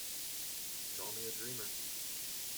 Call me a dreamer.